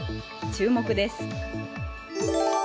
注目です。